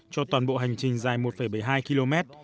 cho toàn bộ hành trình dài một bảy mươi hai km